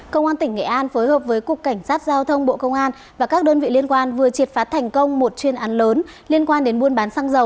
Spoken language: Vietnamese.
công an tỉnh nghệ an phối hợp với cục cảnh sát giao thông bộ công an và các đơn vị liên quan vừa triệt phá thành công một chuyên án lớn liên quan đến buôn bán xăng dầu